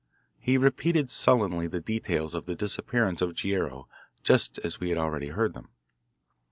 He repeated sullenly the details of the disappearance of Guerrero, just as we had already heard them.